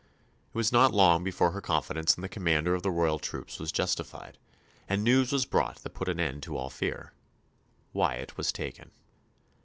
It was not long before her confidence in the commander of the royal troops was justified, and news was brought that put an end to all fear. Wyatt was taken.